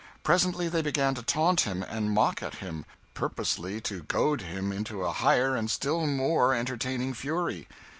Presently they began to taunt him and mock at him, purposely to goad him into a higher and still more entertaining fury.